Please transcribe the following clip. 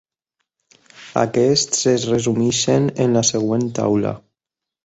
Aquests es resumeixen en la següent taula.